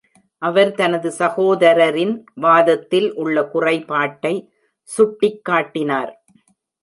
அவர் தனது சகோதரரின் வாதத்தில் உள்ள குறைபாட்டை சுட்டிக்காட்டினார்.